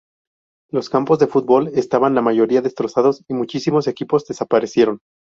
Los campos de fútbol estaban la mayoría destrozados y muchísimos equipos desaparecieron.